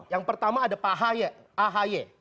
yang pertama ada pak ahy